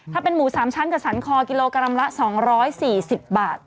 ถ้าเป็นหมู๓ชั้นกับสันคอกิโลกรัมละ๒๔๐บาท